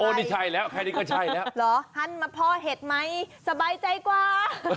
โอ้นี่ใช่แล้วใครนี้ก็ใช่แล้วหันมาเพราะเห็ดไหมสบายใจกว่า